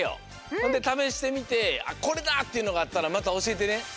ほんでためしてみて「あっこれだ！」っていうのがあったらまたおしえてね。